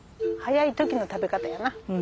早い時の食べ方やな。